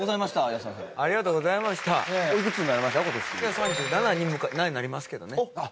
３７になりますけどね。